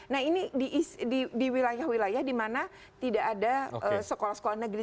nah ini di wilayah wilayah di mana tidak ada sekolah sekolah negeri